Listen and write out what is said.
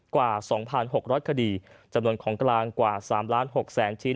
กว่า๒๖๐๐คดีจำนวนของกลางกว่า๓๖๐๐๐ชิ้น